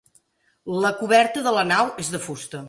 La coberta de la nau és de fusta.